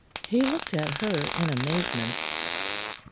He looked at her in amazement.